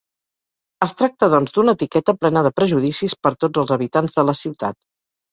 Es tracta doncs d'una etiqueta plena de prejudicis per tots els habitants de la ciutat.